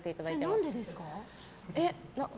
それ、何でですか？